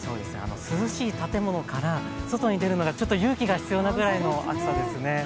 涼しい建物から外に出るのがちょっと勇気が必要なぐらいの暑さですね。